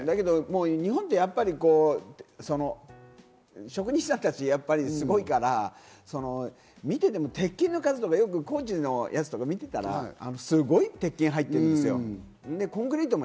日本は職人さんたちすごいから、見てても、鉄筋の数とか工事のやつ見てたら、すごい鉄筋が入ってるんですよ。